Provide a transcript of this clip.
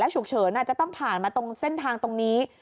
ฉุกเฉินอาจจะต้องผ่านมาตรงเส้นทางตรงนี้